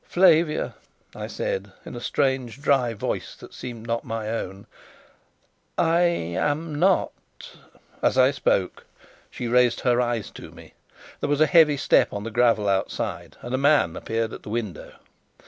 "Flavia," I said, in a strange dry voice that seemed not my own, "I am not " As I spoke as she raised her eyes to me there was a heavy step on the gravel outside, and a man appeared at the window.